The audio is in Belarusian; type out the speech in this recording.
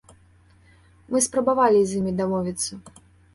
Мы спрабавалі з імі дамовіцца.